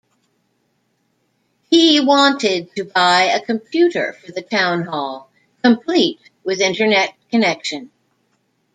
He wanted to buy a computer for the town hall, complete with internet connection.